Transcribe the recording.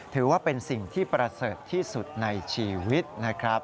ถือว่าเป็นสิ่งที่ประเสริฐที่สุดในชีวิตนะครับ